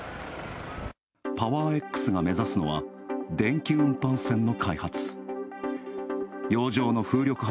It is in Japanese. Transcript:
パワーエックスが目指すのは電気運搬船の開発。